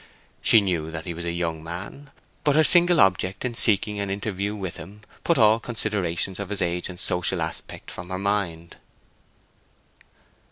She knew that he was a young man; but her single object in seeking an interview with him put all considerations of his age and social aspect from her mind.